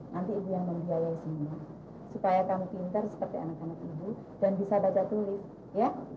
nanti ibu yang membiayai semua supaya kamu pinter seperti anak anak ibu dan bisa baca tulis ya